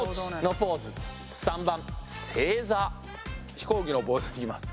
飛行機のポーズいきます。